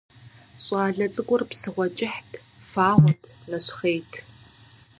ЩӀалэ цӀыкӀур псыгъуэ кӀыхьт, фагъуэт, нэщхъейт.